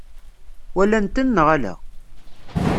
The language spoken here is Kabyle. Walan-ten neɣ ala?